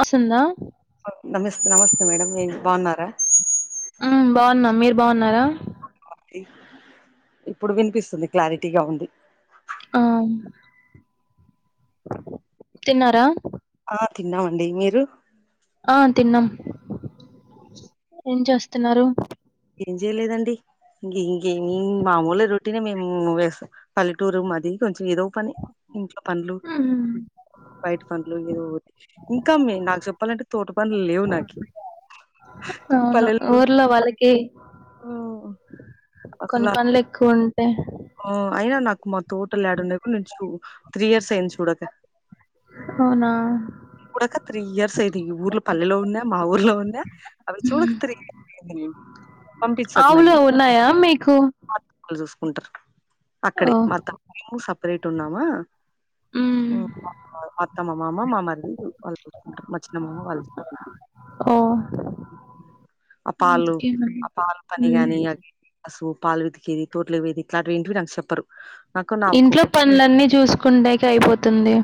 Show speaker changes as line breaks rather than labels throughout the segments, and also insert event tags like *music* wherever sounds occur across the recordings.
అసందా
నమస్తే నమస్తే మేడంమ్ నేను బాగున్నారా
ఉమ్ బాగున్నా మీరు బాగున్నారా
ఇప్పుడు వినిపిస్తుంది క్లారిటీగా ఉంది
అ తిన్నారా
ఆ తిన్నామండి మీరు
ఆ తిన్నాం ఏం చేస్తున్నారు
ఏం చేయలేదండి ఇంక ఇంకేమి మామూలే రొటీనే మేము వేస్తాం పల్లెటూరు మాది కొంచెం ఏదో పని ఇంట్లో పనులు
ఉమ్,
బయట పనులు ఏదో ఇంకా మీ నాకు చెప్పాలంటే తోట పనులు లేవు నాకి
అవును ఊర్లో వా కే కొన్ని
అసలు
పనులు ఎక్కువ ఉంటాయి
ఆ అయినా నాకు మా తోటలు యడున్నాయో కూడా నేను చూ టూ త్రీ ఇయర్స్ అయింది చూడక.
అవునా
*inaudible* చూడక త్రీ ఇయర్స్ అయిది ఈ ఊర్లో పల్లెలో వున్యా మా ఊర్లో వున్యా అవి చూడక త్రీ ఇయర్స్ అయింది. పంపించరు నన్ని
ఆవులు ఉన్నాయా మీకు
వాళ్ళు చూసుకుంటారు అక్కడే
ఓ
మా అత్త మేము సపరేట్ ఉన్నామా.
ఉమ్
ఉ ఆ మా అత్త మా మామ్మ మా మరిది వాళ్ళు చూసుకుంటారు మా చిన్నమామ వాళ్ళు చూసుకు
ఓ
ఆ పాలు
ఇంకేమన్నా
ఆ పాలు పని
ఉమ్
గాని ఆ గేదె కసువు పాలు పితికేది తోట్లోకి పోయేది ఇట్లాంటివి ఏంటివి నాకు చెప్పరు. నాకు నాకు
ఇంట్లో
ఒక
పనులన్నీ చూసుకుండేకి అయిపోతుంది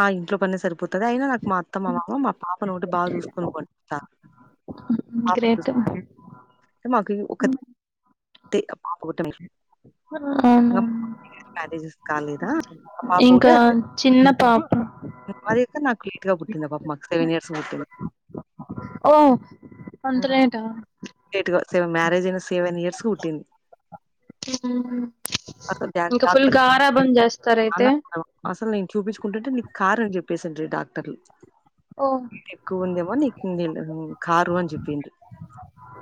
ఆ ఇంట్లో పనే సరిపోతది అయినా నా మా అత్త మా మమా మా పాపను ఒకటే బాగా చూసుకొ నువ్వు అంటారు పాపని
గ్రేట్
చూస్కో మాకి ఒక్కతే ఆ పాప ఒకటే
అవునా
మా అన్నయ్య మ్యారేజెస్ కాలేదా ఆ
ఇంకా చిన్న పాప
అది కాకా నాకు లీట్ గా పుట్టింది ఆ పాప మాకు సెవెన్ ఇయర్స్కి పుట్టింది.
ఓ అంత లేటా
లేటుగా మ్యారేజ్ అయినా సెవెన్ ఇయర్స్కు పుట్టింది.
ఉ
అసలు డ్య డాక్టర్
చేస్తారయితే
చానా అసలు నేను చూపించుకుంటంటే నీ కారని చొప్పేసిండ్రి డాక్టర్లు
ఓ
ఎక్కువ ఉందేమో నీకు కారు అని చెప్పిండ్రి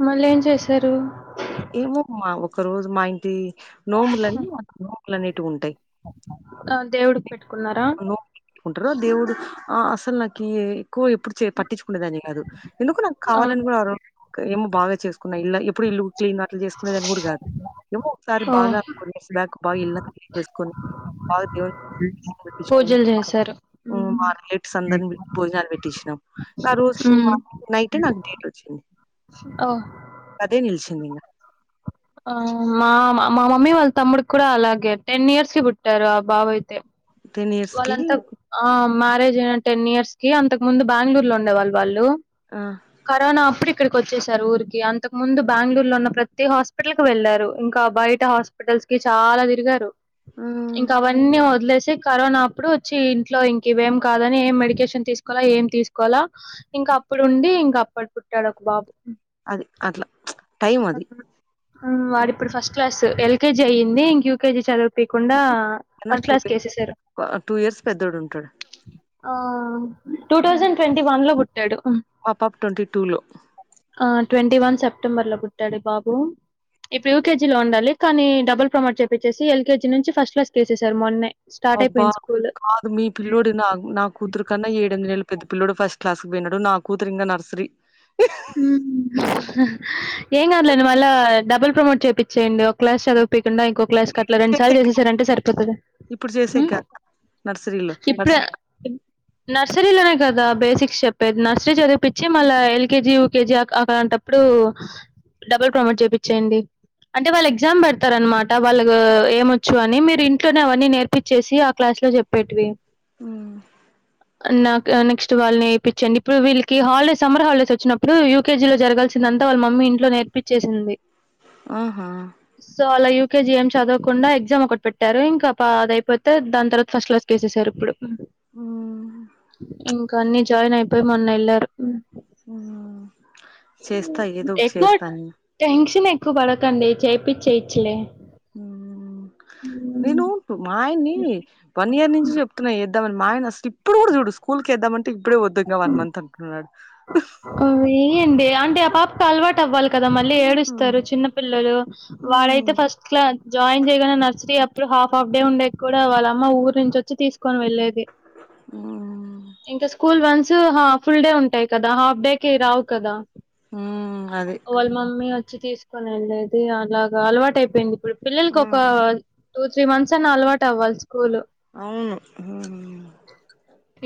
మళ్ళి ఏం చేశారు
ఒక రోజు మా ఇంటి నోములని నోములు అనేటివి ఉంటాయ్.
ఆ దేవుడికి పెట్టుకున్నారా
నోములు కుంటారు ఆ దేవుడు ఆ అసలు నాకి ఎక్కువ ఎప్పుడు చే పట్టించుకునేేదాన్ని కాదు. ఎందుకో నాకు కావాలని కూడా ఆ రోజు ఒక ఏమో బాగా చేసుకున్నా ఇల్లా ఎప్పుడు ఇల్లు క్లీన్ అట్లు చేసుకునే దాన్ని కూడా కాదు ఏమో ఒకసారి
ఓ
బాగా ఫోర్ ఇయర్స్ బ్యాక్ బాగా ఇల్లంత్ క్లీన్ చేస్కొని బాగా దేవున్ని కొలిపించుకొని
పూజలు చేశారు
ఉ మర్ మేట్స్ అందరిని పిల్చ్ భోజనాలు పెట్టించినాం ఆ రోజుకు
ఉమ్
మార్నింగ్ నైటే నాకు డేట్ వచ్చింది
ఓ
చెందినా *unintelligible*
ఆ మా మా మమ్మీ వాళ్ళ తమ్ముడికి కూడా అలాగే టెన్ ఇయర్స్ కి పుట్టారు ఆ బాబు అయితే.
ఇయర్స్‌కి
వాళ్ళంతాకు ఆ మ్యారేజ్ అయిన టెన్ ఇయర్స్ కి అంతకు ముందు బెంగళూరులో ఉండేవాళ్ళు వాళ్ళు,
ఆహ్,
కరోనా అప్పుడు ఇప్ ఇక్కడికి వచ్చేసారు ఊరికి అంతకు ముందు బ్యంగళూరులో ఉన్న ప్రతి హాస్పిటల్ కి వెళ్లారు. ఇంకా బయట హాస్పిటల్ హాస్పిటల్ కి చాలా తిరిగారు
హ్మ్.
ఇంకా అవన్నీ వదిలేసి కరోనా అప్పుడు వచ్చి ఇంట్లో ఇంకెవిమి కాదని ఏం మెడికేషన్ తీసుకోవాలా ఏం తీసుకోవాలా ఇంకా అప్ అప్పుడు ఉండి ఇంకా అప్పడు పుట్టాడు ఒక బాబు.
అది అట్లా టైమ్ అది
వాడు ఇప్పుడు ఫస్ట్ క్లాస్ ఎల్కేజీ అయ్యింది ఇంక యూకేజీ చదివిపికుండా ఫస్ట్ క్లాస్ కి కేసేసారు.
టూ ఇయర్స్ పెద్దోడు ఉంటాడు
ఆ టూ థౌజండ్ ట్వంటీ వన్ లో పుట్టాడు
మా పాప ట్వంటీ టూ లో
ఆ ట్వంటీ వన్ సెప్టెంబర్ లో పుట్టాడు బాబు ఇప్పుడు యుకేజీ లో ఉండాలి కానీ డబుల్ ప్రమోట్ చెప్పేచ్చేసి ఎల్కేజీ నుంచి ఫస్ట్ క్లాస్ వేసేసారు మొన్నే స్టార్ట్
అబ్బా
అయిపోయింది స్కూల్
కాదు మీ పిల్లోడు నా నా కూతురు కన్నా ఏడు ఎనిమిది నెలల పెద్ద పిల్లడు ఫస్ట్ ఫస్ట్ క్లాస్ కి పోయినాడు నా కూతురు ఇంగా నర్సరీ
మ్మ్ ఏం కాదులేండి మళ్ళా డబ్బుల్ ప్రమోట్ చేయిచ్చేయండి ఓక క్లాస్ చదివిపోకుండా ఇంకో క్లాస్ కి అట్లా రెండు సార్లు
చేసేకి కాదు.
చేసేసారంటే సరిపోతుంది
ఇప్పుడు చేసేకి కాదు. నర్సరీలో.
ఇప్పుల
నర్సరీ
నర్సు నర్సరీలోనే కదా బేసిక్స్ చెప్పేది నర్సరీ చదివిపించి మళ్ళా ఎల్ ఎల్ కేజీ యూకేజీ అలాంటప్పుడు డబ్బుల్ ప్రమోట్ చేపిచ్చేయండి అంటే వాళ్ళు ఎగ్జామ్ పెడతారు అనమా టా వాళ్ళు ఏం వచ్చు అని మీరు ఇంట్లోనే అవన్నీ నేర్పించేసి ఆ క్లాస్ లో చెప్పేటివి
హ్మ్.
నాకు నెక్స్ట్ వాళ్ళని యేపించ్చండి ఇప్పుడు వీళ్ళకి హాలిడేస్ సమ్మర్ హాలిడేస్ వచ్చినప్పుడు యూకేజీలో జరగాల్సిందంతా వాళ్ళ మమ్మీ ఇంట్లో నేర్పచ్చేసింది
ఆహా
యూకెజీ ఏం చదవకుండా ఎగ్జామ్ ఒకటి పెట్టారు ఇంకా అదియిపోతే దాని తర్వాత ఫస్ట్ క్లాస్ లో వేసేసారు ఇప్పుడు
హ్మ్.
ఇంకా అన్ని జాయిన్ అయిపోయి మొన్న వెళ్లారు
హ్మ్. చేస్తా ఏదో ఒకటి
ఎట్టొ
చేస్తా
*unintelligible*
నేను.
ట్యాక్స్క్ నే ఎక్కువ పడకండి చేపిచ్చియేచ్చులే
హ్మ్ నేను మా ఆయన్ని వన్ ఇయర్ నుంచి చెప్తున్నా ఏ మా ఆయన అసలు ఇప్పుడు కూడా చూడు డు స్కూల్కి ఏద్దామంటే ఇప్పుడు ఇంగా వన్ మంత్ అంటున్నాడు
ఆ వేయండి అంటే ఆ పాపకి అలవాటు అవ్వాలి కదా మళ్ళీ ఏడుస్తారు చిన్నపిల్లలు వా వాడు అయితే ఫస్ట్ లో జాయిన్ చేయగానే నర్సరీ అప్పుడు హాఫ్ హాఫ్ డే ఉండేకి కూడా వాళ్ళమ్మ ఊరు నుంచి వచ్చి తీసుకు కోని వెళ్ళేది
మ్మ్
ఇంకా school one so full day ఉంటాయి కదా హాఫ్ డే కి రావు కదా
ఆ అది
వాళ్ళ మమ్మీ వచ్చి తీసుకొని వెళ్లేది అలాగా అలవాటు అయిపోయింది ఇప్పుడు పిల్లలకి
ఆ
ఒక టూ త్రీ మంత్స్ అన్నా అలవాటు అవ్వాలి స్కూల్
అవును ఆ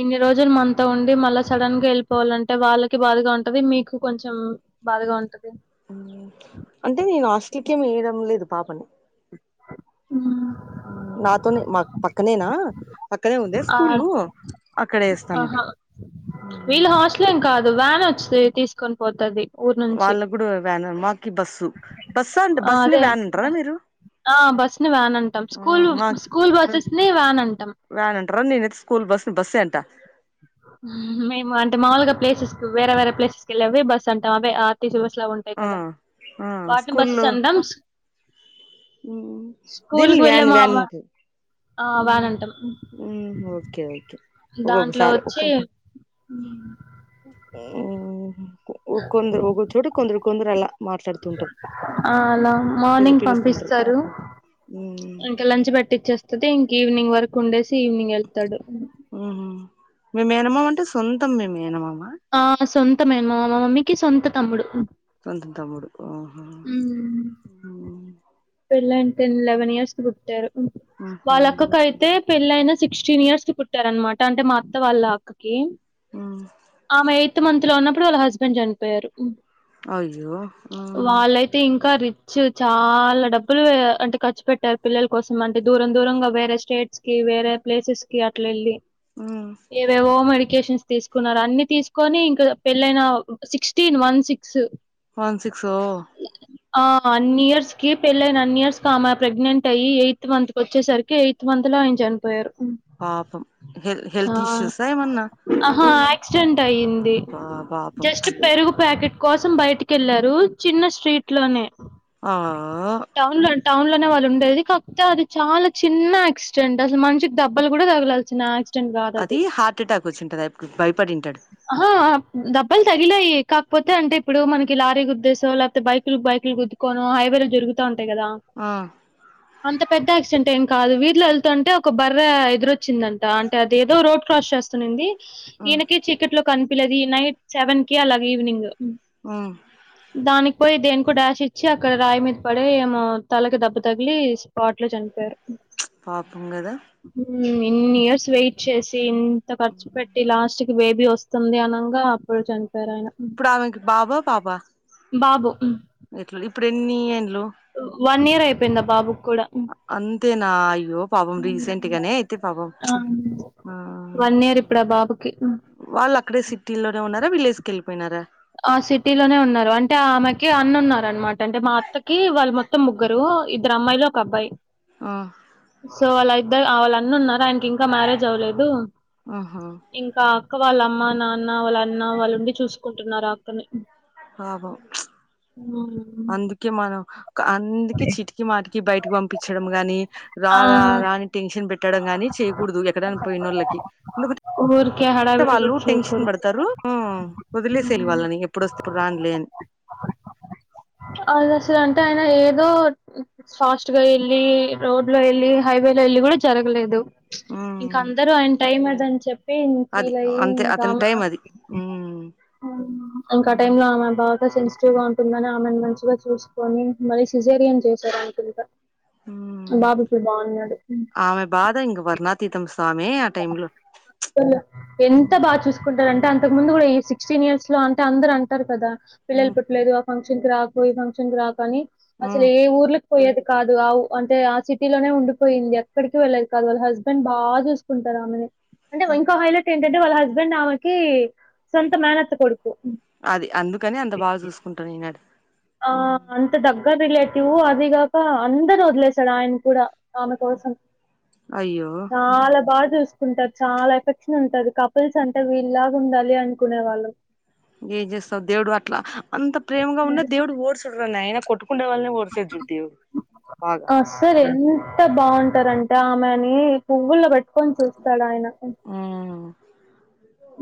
ఇన్ని రోజులు మనతో ఉండి మళ్ళా సడన్గా వెళ్ళిపోవాలంటే వాళ్ళకి బాధగా ఉంటాది మీకు కొంచెం బాధగా ఉంటది
ఆ అంటే నేను హాస్టల్ కి ఏం వేయ్యడం లేదు పాపని
ఆ
నాతోని మాకు పక్కనేనా పక్కనే ఉందా
ఆ
స్కూల్ అక్కడే వేస్తాన్నాం
ఆహా వీళ్ళు హాస్టల్ ఏం కాదు వ్యాన్ వచ్చి తీసుకొని పోతాది
వాళ్ళకు కూడా వ్యాన్ ఏ మాకి బస్సు బస్సు అంటే
ఆ
బస్సుని
అదే
వ్యాన్ అంటారా మీరు
ఆ బస్ ని వ్యాన్ అంటాం
ఆ!
స్కూల్
మాకి
స్కూల్ బస్ స్ నే వ్యాన్ అంటా
వ్యాన్ అంట్రా నేనయితే స్కూల్ బస్ ని బస్సే అంటా
మేము అంటే మాములుగా ప్లెసెస్ కి వేరే వేరే ప్లేసెస్ కి వెళ్ళెవి బస్ అంటాం అవే అర్ టీ సీ బస్ అట్లా ఉంటాయి
ఆ
కదా
ఆ
వాటిని బస్సెస్ అంటాం
ఉమ్
స్కూల్
దిల్
కి వెళ్ళే
వ్యాన్
మా
వ్యాన్ టి
ఆ
ఉమ్
వ్యాన్ అంటాం
ఉమ్ ఓకే ఓకే
దాంట్లో
ఒక్కొక్కసారి
వొచ్చి
ఒక్కో
ఉమ్
ఉమ్ కొందరు ఒక్కొ చోట కొందరు కొందరు అలా మాట్లాడుతుంటారు తె
స్తరు ఇంకా లంచ్ పెట్టిచ్చేస్తది ఇంక ఈవినింగ్ వరకు ఉండేసి ఈవినింగ్ వెళ్తాడు
ఊహు మే మేనమామ అంటే సొంతం మీ మేనమామ
ఆ సొంత మేన్మమా మా మమ్మీకి సొంత తమ్ముడు
సొంతం తమ్ముడు ఆహా
పెళ్ళైన టెన్ లెవెన్ ఇయర్స్ కి పుట్టారు వాళ్ళక్క కైతే పెళ్ళైన సిక్స్టీన్ ఇయర్స్ కి పుట్టార అనమాట అంటే మా అత్త వాళ్ళ అక్క కి ఆమె ఎయిత్ మంత్ లో ఉన్నప్పుడు వాళ్ళ హస్బెండ్ చనిపోయారు.
అయ్యో ఉమ్
చ్చు చాలా డబ్బ్ డబ్బులు అంటే ఖర్చు పెట్టారు పిల్లల కోసం అంటే దూరం దూరంగా వేరే స్టేట్స్ కి వేరే ప్లేసెస్ కి అట్ల వెళ్ళి ఏవేవో మెడికేషన్స్ తీసుకున్నారు అన్ని తీసుకొని ఇంకా పెళ్ళైన sixteen one six
one six ఓ
ఆ అన్ని ఇయర్స్ కి పెళ్ళైన ఇయర్స్ ఆమె ప్రగ్నెంట్ అయ్యి ఎయిత్ మంత్ కు వచ్చేసరికి ఎయిత్ మంత్ లో ఆయన చనిపోయారు ఉమ్
పాపం హెల్
ఆ
హెల్త్ ఇష్యూసా ఏమన్నా
ఆహా యాక్సిడెంట్ అయ్యింది.
పా పాపం
జస్ట్ పెరుగు ప్యాకెట్ కోసం బయటికి వెళ్లారు చిన్న స్ట్రీట్ లోనే
ఆ
టౌన్లోన్ టౌన్ లోనే వాళ్ళు ఉండేది కాకపోతే అది చాలా చిన్న యాక్సిడెంట్ అసలు మనిషి దెబ్బలు కూడా తగలాల్సిన యాక్సి కాదు అది
హార్ట్ అటాక్ వచ్చింటది ఇప్పుడు భయపడింటాడు
ఆహ దెబ్బలు తగిలాయి కాకపోతే అంటే ఇప్పుడు మనకి లారీ గుద్దేసో లేకపోతే బైకులు బైకులు గుద్దుకోనో హైవేలు జరుగు య్ గదా
ఆ
అంత పె పెద్ద యాక్సిడెంట్ ఏం కాదు వీధిలో వెళ్తుంటే ఒక బర్రె ఎదురొచ్చిందంట అంటే అది ఏదో రోడ్ క్రాస్ చేస్తున్నుంది.
ఆ
ఈయనకి చికెట్లో కనిపిలేది ఈ నైట్ సెవెన్ కి అలాగే ఈవినింగ్
ఆ
దానికి పోయి దేనికో డాష్ ఇచ్చి అక్కడ రాయి మీద్ పడే ఏమో తలకి దెబ్బ తగిలి స్పాట్ లో చనిపోయారు
ప్చ్ పాపం కదా?
ఇన్ని ఇయర్స్ వెయిట్ చేసి ఇంత ఖర్చు పెట్టి లాస్ట్ కి బేబీ వస్తుంది అనంగా అప్పుడు చన్
ఇప్పుడు అమెకి బాబా పాపా
బాబు
ఇట్ల ఇప్పుడు ఎన్ని ఏండ్లు
పెన్న బాబు క్
అంతే నా అయ్యో పాపం
హ్మ్.
రీసెంట్గానే అయితే పాపం ప్చ్
ఆ
ఆ
వన్ ఇయర్ ఇప్పుడు ఆ బాబుకి హ్మ్.
వాళ్ళు అక్కడే సిటీ లోనే ఉన్నారా విలేజ్ కెల్
ఆ సిటీలోనే ఉన్నారు అంటే ఆ ఆమెకి అన్న ఉన్నారు అనమాట అంటే మా అత్తకి వాళ్ళు మొత్తం ముగ్గురు ఇద్దరు అమ్మాయిలు ఒక అబ్బాయి
ఆ
సో వాళ్ళ ఇద్దరు వాళ అన్న ఉన్నా ఆయనికి ఇంకా మ్యారేజ్ అవ్వలేదు
ఆహా
ఇంకా అక్ అక్క వాళ్ళ అమ్మ నాన్న వాళ్ళ అన్న వాళ్ళు ఉండి చూసుకుంటున్నారు అక్కని
పాపం ప్చ్
హ్మ్.
అందుకే మనం అందుకే చిటికి మాటికి కీ బయటకి పంపిచ్చడం గాని రా రా
ఆ
రా అని టెన్షన్ పెట్ ట్టడం గాని చేయకూడదు ఎక్కడైన పోయినోళ్ళకి ఎందుక్
ఊరికే
టే
హడావిడి
వాళ్ళు
కూడా
టెన్షన్
చేయకూడదు
పడతారు వదిలేసేయళి వాళ్ళని ఎప్పుడొస్తే అప్పుడు రాన్లే అని *inaudible*
అది అసలు ఎంతయన ఏ ఏదో ఫాస్ట్ గా ఎళ్ళి రోడ్ లో ఎళ్ళి హైవే లో ఎళ్ళి కూడా జరగలేదు ఇంక
ఉమ్
అందరు ఆయన టైం అదని చెప్ పి
అది
ఫీల్ అయి
అంతే
ఇంకా
అతని
ఆమ
టైం అది ఉమ్
ఇంకాటైమ్ లో అమె బా సెన్సిటివ్ గా ఉంటుందని ఆమెని మంచిగా చూసుకొని మళ్ళీ సిజేరియన్ చేశారు అనుకుంట
ఉమ్
బాబ కూడా బాన్నాడు
ఆమె బాధ ఇంక వర్ణాతీతం సామి ఆ టైమ్ లో
ఎంత
ఉమ్
బాగా చూసుకుంటారు అంటే అంతకు ముందు కూడా ఈ సిక్స్టీన్ ఇయర్స్ లో అంటే అందరు అంటారు కదా పిల్లలు పుట్టలేదు ఆ ఫంక్షన్ కి రాకు ఈ ఫంక్షన్ కి రాక అనీ అసలు
ఉమ్
ఏ ఊర్లో పోయేది కాదు ఆవ్ అంటే ఆ సిటీలోనే ఉండిపోయింది ఎక్కడికి వెళ్లేది కాదు వాళ్ళ హస్బెండ్ బా చూసుకుంటారు ఆమెని అంటే ఇంకో హైలైట్ ఏంటంటే వాళ్ళ హస్బెండ్ ఆమెకి సొంత మేనత్త కొడుకు
అది అందుకని అంత బా చూసుకుంటాను ఈనాడు
ఆ అంత దగ్ రిలేటివ్ అది కాక అందర్నీ వదిలేశాడు ఆయన కూడా ఆమె కోసం
అయ్యో
చాలా బా చూస్ వుంటారు చాలా ఎఫెక్షన్ ఉంటది కపుల్స్ అంటే వీల్లాగా ఉండాలి అనుకునే వాళ్ళం
ఏజస్తావ్ దేవుడు అట్లా అంత ప్రేమగా ఉన్నా దేవుడు ఓడ్చడ్ర నాయినా కొట్టుకు కుండ వాళ్ళనే వర్సే జుటీయో
అసలెంత బాగుంటారంటే ఆమెని పువ్వుల్లో పెట్ కొని చూస్తాడు ఆయన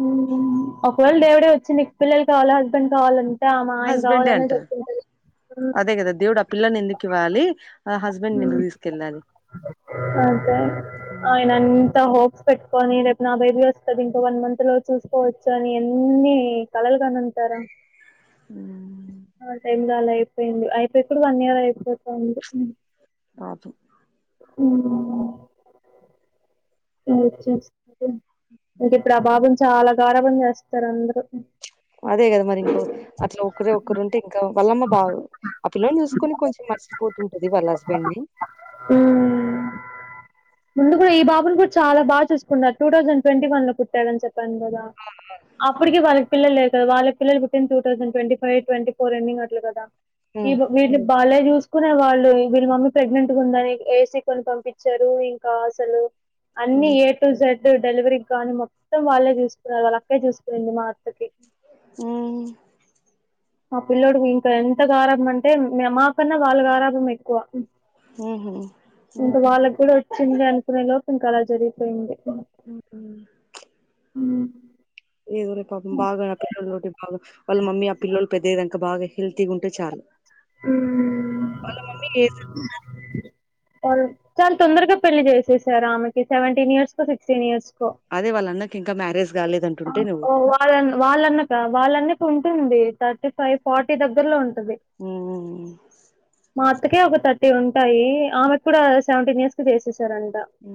మ్ ఒకవేళ దేవుడే వచ్చి నీకు పిల్లలు కావాల హస్బెండ్ కావాలం టే మా ఆయన
హస్బెండే
కావాలనే
అంటారు
చెప్తుంటది
అదే కదా దేవుడు ఆ పిల్లని ఎందుకు ఇవ్వాలి ఆ హస్బెండ్
మ్
ఎందుకు తీసుకెళ్ళాలి
అదె ఆయనన్ త హోప్స్ పెట్టుకొని రేపు నా బేబీ వస్తడి ఇంకో వన్ మంత్ లో చూసుకోవచ్చు అని అన్ని కలల్ ఇగనంతర ఆ టైమ్ లో అలా అయిపోయింది అయితె పోయిప్పుడు వన్ ఇయర్ అయిపోతుంది
కాదు
మ్ నేనొచ్చేసా ఇక ప్రభావం చాలా గారాభం చేస్తారు అందరూ
అదే కదా మరి ఇంకో అట్లా ఒక్కరే ఒక్కరు ఉంటే ఇంకా వళ్లమ్మ బాగు ఆ పిల్లోని చూసుకొని కొంచెం మర్చిపోతుంటది వాళ్ళ హస్బెండ్ ని
మ్
*inaudible*
ముందు కూడా ఈ బాబును కూడా చా బాగా చూసుకున్నారు టూ థౌసండ్ ట్వంటీ వన్ లో పుట్టాడుని చెప్పి తండ్రిలా అప్పుటికే వాళ్ల పిల్లల్లర్ కద వాళ పిల్లు పుట్టింది టూ థసండ్ట్వంటీ ఫైవ్ ట్వీ ఫోర్ ఎన్నింగ్ అట్ల కదా ఈద్ వీడ్ని బాలె జూస్ చూసుకునే వాళ్ళు వీళ్ళ మమ్మీ ప్రెగ్నెంట్ గా ఉందని ఏసీ కొని పంపించారు ఇంకా అసలు అన్ని ఏ టు జెడ్ డెలివరీ కానీ మొత్తం వాళ్ళే చూసుకున్నారు వాళ్ళ అక్కే చూసిపోయింది మా అత్తకి
ఊ
ఆ పిల్లొడికి ఇంకా ఎంత గారభం అంటే మాకన్నా వాళ్ళ గారభం ఎక్కువ ఇంకా వాళ్ళకి కూడా వచ్చింది అనుకునే లోపు ఇంక అలా జరిగిపోయింది
ఉహు
ఊ
ఏదోలే పాపం బాగా ఆ పిల్లొల్లు ఒకటి బాగా వాళ్ళ మమ్మీ ఆ పిల్లొల్లు పెద్దయ్యేదాకా బాగా హెల్తీగా ఉంటే చాలు
మ్మ్.
వాళ్ళ మమ్మీ లేదు
చాలా తొందరగా పెళ్లి చేసేసారు ఆమెకి సెవెంటీన్ ఇయర్స్ కో సిక్స్టీన్ ఇయర్స్
అదే వాళ్ళ అన్నకి ఇంకా మ్యారేజ్ కాలేదంటుంటే నువ్వు
వాళ్ళ వాళ్ళన్నక వాళ్ళన్న ఉంటుంది థర్టీ ఫైవ్ ఫార్టీ దగ్గలో ఉం
హ్మ్.
మా అత్తకే ఒక థర్టీ ఉంటాయి ఆమెకు కూడా సేవెంటీన్ ఇయర్స్ కి చేసేస్
ఉ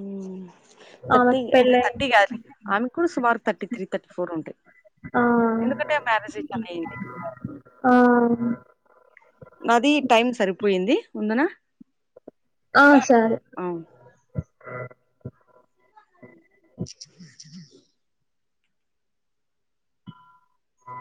థర్టీ
ఆమెకు పెళ్ళై
థర్టీ కాదులే ఆమెకుడా సుమారు తర్టీ త్రీ తర్టీ ఫోర్ ఉంటయి
ఆ
అయింది
ఆ
నాది టైం సరిపోయింది ఉందునా
ఆ సరే
*inaudible*
ఆ